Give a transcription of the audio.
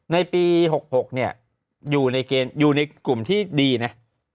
ในปี๖๖เนี่ยอยู่ในกลุ่มที่ดีนะ